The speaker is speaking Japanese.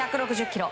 １６０キロ。